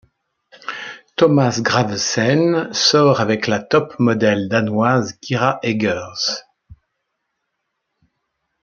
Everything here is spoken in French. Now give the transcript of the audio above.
Thomas Gravesen sort avec la top modèle danoise Kira Eggers.